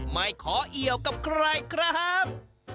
ไม่ขอเอี่ยวกับใครครับ